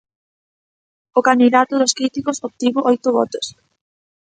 O candidato dos críticos obtivo oito votos.